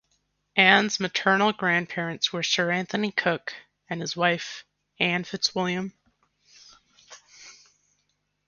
Anne's maternal grandparents were Sir Anthony Cooke and his wife Anne FitzWilliam.